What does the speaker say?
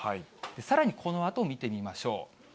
さらにこのあと見てみましょう。